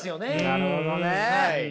なるほどねえ。